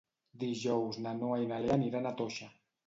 Dijous na Noa i na Lea aniran a Toixa.